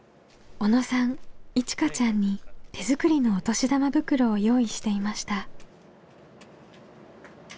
小野さんいちかちゃんに手作りのお年玉袋を用意していました。